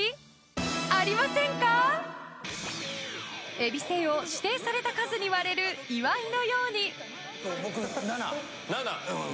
えびせんを指定された数に割れる岩井のように。